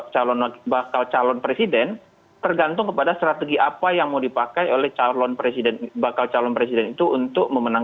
jadi kalau nanti sandiaga uno jelas keluar dari gerindra atau tidak maka konstelasinya bisa berubah